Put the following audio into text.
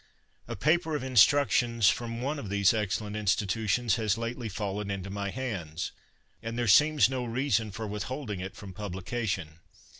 A paper of instruc tions from one of these excellent institutions has lately fallen into my hands, and there seems no reason for withholding it from publication.